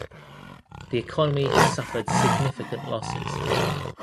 The economy has suffered significant losses.